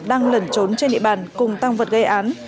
đang lẩn trốn trên địa bàn cùng tăng vật gây án